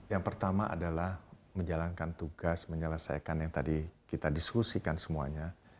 yang pertama adalah menjalankan tugas menyelesaikan yang tadi kita diskusikan semuanya